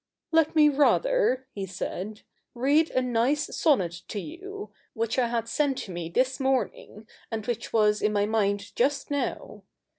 ' Let me rather,' he said, 'read a nice sonnet to you, which I had sent to me this morning, and which was in my mind just now.